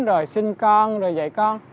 rồi sinh con rồi dạy con